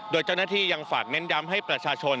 โดยเจ้าหน้าที่ยังฝากเน้นย้ำให้ประชาชน